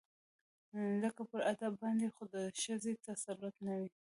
ځکه پر ادب باندې خو د ښځې تسلط نه و